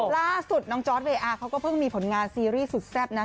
ล่าสุดน้องจอร์ดเวอาร์เขาก็เพิ่งมีผลงานซีรีส์สุดแซ่บนะ